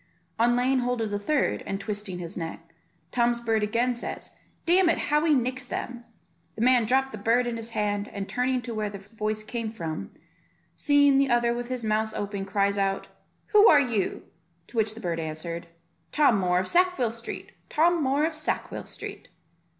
On laying hold of the third, and twisting his neck, Tom's bird again says, "Damn it, how he nicks them." The man dropped the bird in his hand, and turning to where the voice came from, seeing the other with his mouth open, cries out, "Who are you?" to which the bird answered, "Tom Moor of Sackville Street, Tom Moor of Sackville Street."